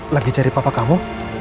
lagi cari papa kamu